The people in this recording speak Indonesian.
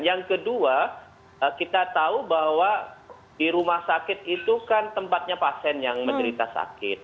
yang kedua kita tahu bahwa di rumah sakit itu kan tempatnya pasien yang menderita sakit